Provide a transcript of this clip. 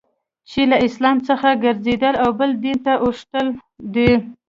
چي له اسلام څخه ګرځېدل او بل دین ته اوښتل دي.